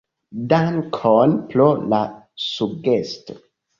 Dankon pro la sugesto.